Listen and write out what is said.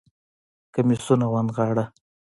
کميسونه ونغاړه